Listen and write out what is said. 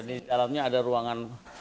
di dalamnya ada ruangan